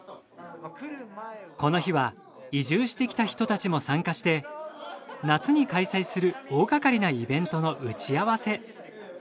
この日は移住してきた人たちも参加して夏に開催する大がかりなイベントの打ち合わせ。